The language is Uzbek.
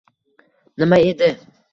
Nima edi?